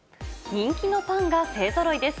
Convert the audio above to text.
人気のパンが勢ぞろいです。